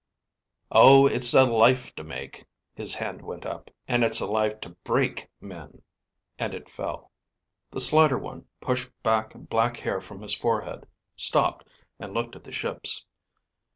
"Oh, it's a life to make," his hand went up, "and it's a life to break men," and it fell. The slighter one pushed back black hair from his forehead, stopped, and looked at the ships.